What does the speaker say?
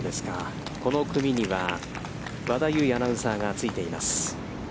この組には和田侑也アナウンサーがついています。